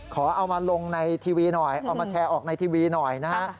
ขอเอามาลงในทีวีหน่อยเอามาแชร์ออกในทีวีหน่อยนะฮะ